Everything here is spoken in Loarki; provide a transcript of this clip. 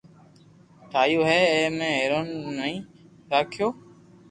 ٺايو ھين اي ۾ ھيرن ني راکييو